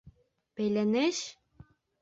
Бәйләнеш?